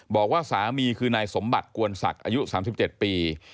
บอกว่าสามีคือนายสมบัติกวนศักดิ์อายุ๓๗ปี